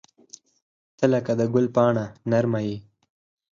• ته لکه د ګل پاڼه نرمه یې.